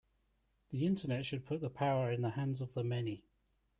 The Internet should put the power in the hands of the many.